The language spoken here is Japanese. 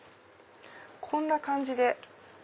こんな感じで。